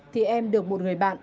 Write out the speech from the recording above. thì em được một người bạn